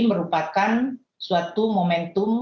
merupakan suatu momentum